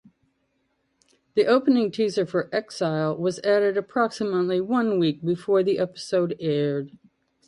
The opening teaser for "Exile" was added approximately one week before the episode aired.